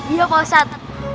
iya pak ustadz